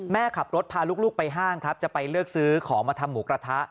แม่ขับรถพาลูกไปห้างครับจะไปเลือกซื้อของมาทำหมูกระทะ